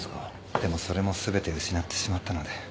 でもそれも全て失ってしまったので。